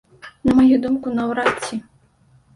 На маю думку, наўрад ці.